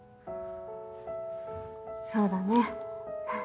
そうだね。